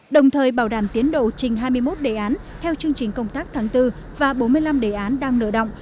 đồng thời bảo đảm tiến độ trình hai mươi một đề án theo chương trình công tác tháng bốn và bốn mươi năm đề án đang nợ động